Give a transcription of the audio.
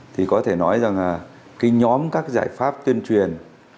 thì có thể nói rằng là cái nhóm các giải pháp tuyên truyền